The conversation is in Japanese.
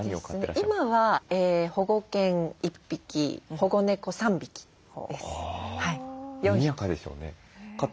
今は保護犬１匹保護猫３匹です。